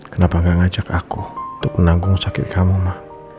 kenapa gak ngajak aku untuk menanggung sakit kamu mah